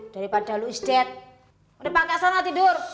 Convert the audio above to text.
daripada lu istirahat udah pakai sana tidur